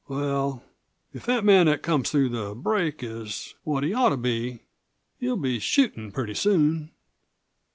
"Well, if that man that's comin' through the break is what he ought to be he'll be shootin' pretty soon."